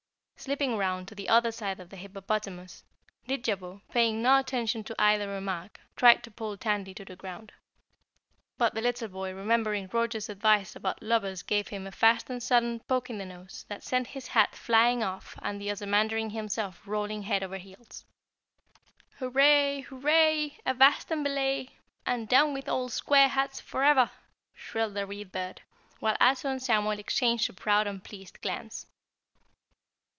Slipping round to the other side of the hippopotamus, Didjabo, paying no attention to either remark, tried to pull Tandy to the ground. But the little boy, remembering Roger's advice about lubbers gave him a fast and sudden poke in the nose that sent his hat flying off and the Ozamandarin himself rolling head over heels. "Hurray, Hurray! Avast and belay! And down with old Square Hats forever!" shrilled the Read Bird, while Ato and Samuel exchanged a proud and pleased glance.